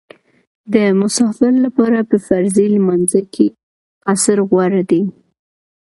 د مسافر لپاره په فرضي لمانځه کې قصر غوره دی